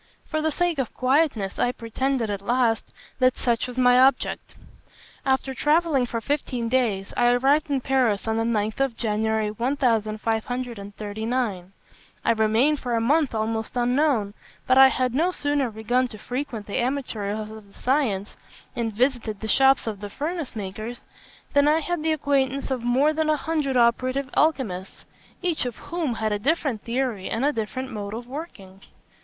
For the sake of quietness, I pretended, at last, that such was my object. "After travelling for fifteen days, I arrived in Paris on the 9th of January 1539. I remained for a month almost unknown; but I had no sooner begun to frequent the amateurs of the science, and visited the shops of the furnace makers, than I had the acquaintance of more than a hundred operative alchymists, each of whom had a different theory and a different mode of working.